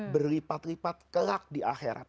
berlipat lipat kelak di akhirat